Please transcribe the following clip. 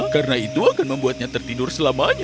karena itu akan membuatnya tertidur selamanya